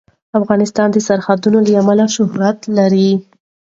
افغانستان د سرحدونه له امله شهرت لري.